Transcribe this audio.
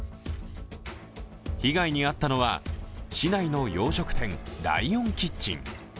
被害に遭ったのは市内の洋食店、ライオンキッチン。